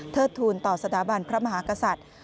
ทูลต่อสถาบันพระมหากษัตริย์